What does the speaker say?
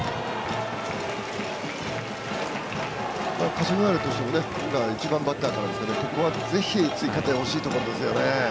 霞ヶ浦としても１番バッターからここはぜひ追加点欲しいところですよね。